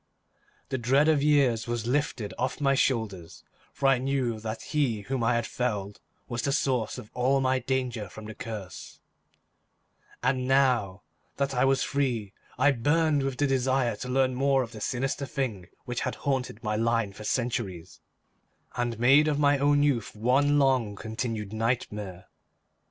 The dread of years was lifted off my shoulders, for I knew that he whom I had felled was the source of all my danger from the curse; and now that I was free, I burned with the desire to learn more of the sinister thing which had haunted my line for centuries, and made of my own youth one long continued nightmare.